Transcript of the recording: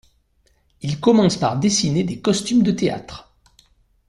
Il commence par dessiner des costumes de théâtre.